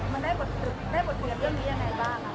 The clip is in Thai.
มันได้บทเรียนเรื่องนี้ยังไงบ้าง